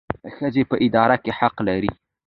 ښځې په اداره کې حق لري